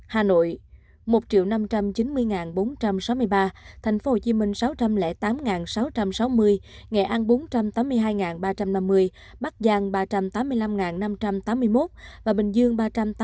hà nội một năm trăm chín mươi bốn trăm sáu mươi ba tp hcm sáu trăm linh tám sáu trăm sáu mươi nghệ an bốn trăm tám mươi hai ba trăm năm mươi bắc giang ba trăm tám mươi năm năm trăm tám mươi một bình dương ba trăm tám mươi ba bốn trăm chín mươi sáu